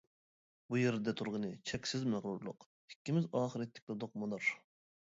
بۇ يەردە تۇرغىنى چەكسىز مەغرۇرلۇق، ئىككىمىز ئاخىرى تىكلىدۇق مۇنار.